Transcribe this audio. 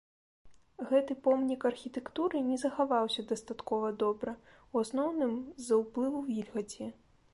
Гэты помнік архітэктуры не захаваўся дастаткова добра ў асноўным з-за ўплыву вільгаці.